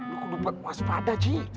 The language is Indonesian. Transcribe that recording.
lo lupa puasa pada ji